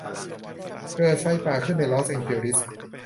เกิดไฟป่าขึ้นในลอสแองเจลิส